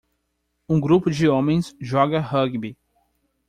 Um grupo de homens joga rugby.